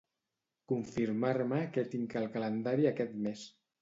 Confirmar-me què tinc al calendari aquest mes.